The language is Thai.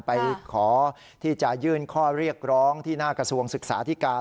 ไปขอที่จะยื่นข้อเรียกร้องที่หน้ากระทรวงศึกษาที่การ